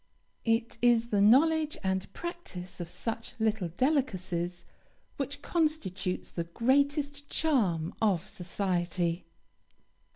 It is the knowledge and practice of such "little delicacies" which constitutes the greatest charm of society.